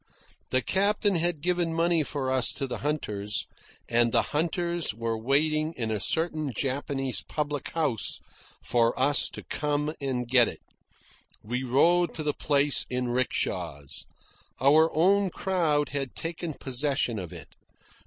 The captain had given money for us to the hunters, and the hunters were waiting in a certain Japanese public house for us to come and get it. We rode to the place in rickshaws. Our own crowd had taken possession of it.